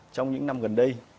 trong những năm gần đây